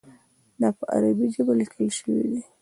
دا په عربي ژبه لیکل شوی دی.